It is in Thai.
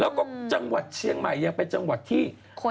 แล้วก็จังหวัดเชียงใหม่ยังเป็นจังหวัดที่